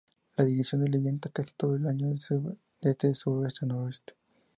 La dirección del viento casi todo el año es de suroeste a noroeste.